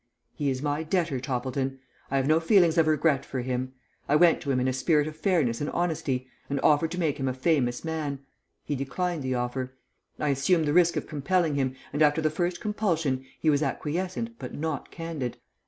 He is my debtor, Toppleton. I have no feelings of regret for him. I went to him in a spirit of fairness and honesty, and offered to make him a famous man. He declined the offer. I assumed the risk of compelling him, and after the first compulsion he was acquiescent but not candid.